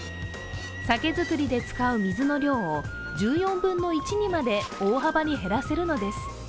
酒造りで使う水の量を１４分の１にまで大幅に減らせるのです。